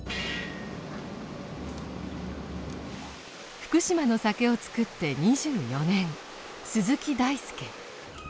福島の酒を造って２４年鈴木大介。